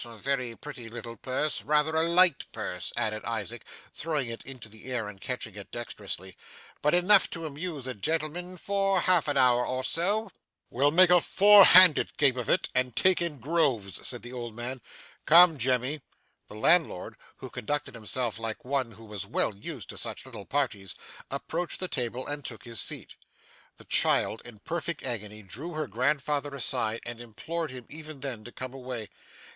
A very pretty little purse. Rather a light purse,' added Isaac, throwing it into the air and catching it dexterously, 'but enough to amuse a gentleman for half an hour or so.' 'We'll make a four handed game of it, and take in Groves,' said the stout man. 'Come, Jemmy.' The landlord, who conducted himself like one who was well used to such little parties, approached the table and took his seat. The child, in a perfect agony, drew her grandfather aside, and implored him, even then, to come away.